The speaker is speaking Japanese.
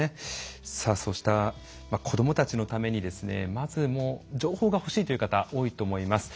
そうした子どもたちのためにまず情報が欲しいという方多いと思います。